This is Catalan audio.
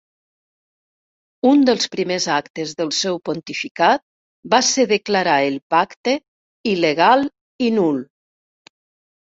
Un dels primers actes del seu pontificat va ser declarar el pacte il·legal i nul.